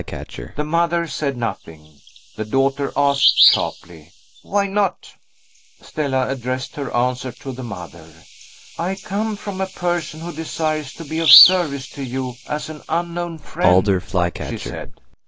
The mother said nothing. The daughter asked sharply, "Why not?" Stella addressed her answer to the mother. "I come from a person who desires to be of service to you as an unknown friend," she said.